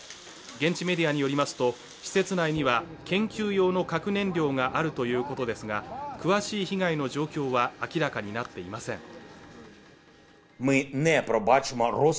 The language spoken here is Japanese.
現地メディアによりますと施設内には研究用の核燃料があるということですが詳しい被害の状況は明らかになっていません